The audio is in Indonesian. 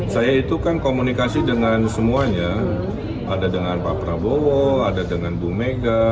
saya itu kan komunikasi dengan semuanya ada dengan pak prabowo ada dengan bu mega